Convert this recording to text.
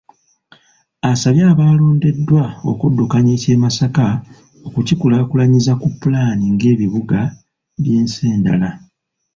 Asabye abaalondeddwa okuddukanya eky’e Masaka okukikulaakulanyiza ku pulaani ng’ebibuga by’ensi endala.